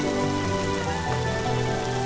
aku akan menghajarnya barengku